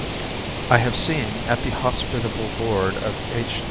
I have seen, at the hospitable board of H.